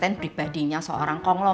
ini kan kimberly